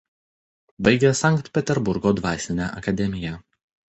Baigė Sankt Peterburgo dvasinę akademiją.